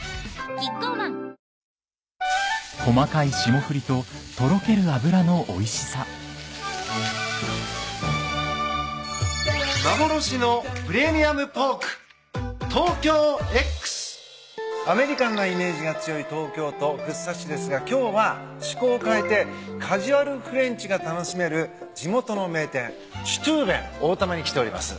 キッコーマンアメリカンなイメージが強い東京都福生市ですが今日は趣向を変えてカジュアルフレンチが楽しめる地元の名店シュトゥーベン・オータマに来ております。